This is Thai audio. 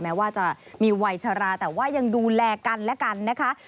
แม้ว่าจะมีวัยชราแต่ว่ายังดูแลกันและกันนะคะ